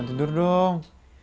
ndra tidur dong